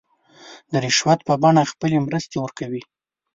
د رشوت په بڼه خپلې مرستې ورکوي.